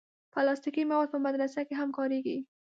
پلاستيکي مواد په مدرسه کې هم کارېږي.